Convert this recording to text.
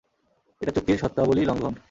এটা চুক্তির শর্তাবলী লঙ্ঘন।